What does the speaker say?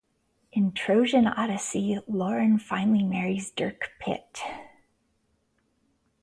In "Trojan Odyssey", Loren finally marries Dirk Pitt.